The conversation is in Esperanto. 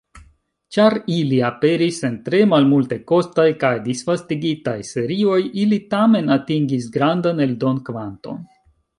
Ĉar ili aperis en tre malmultekostaj kaj disvastigitaj serioj, ili tamen atingis grandan eldon-kvanton.